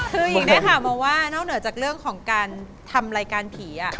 คือหญิงได้ถามมาว่านอกเหนือจากเรื่องของการทำรายการผี